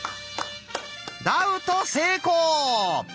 ダウト成功！